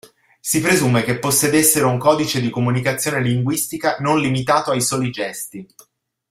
Si presume che possedessero un codice di comunicazione linguistica non limitato ai soli gesti.